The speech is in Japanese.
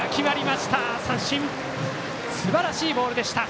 すばらしいボールでした。